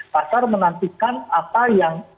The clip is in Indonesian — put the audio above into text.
pasar menantikan apa yang